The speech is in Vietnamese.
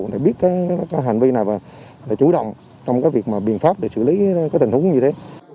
để biết cái hành vi nào và chủ động trong cái việc mà biện pháp để xử lý cái tình huống như thế